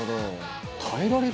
「耐えられる？」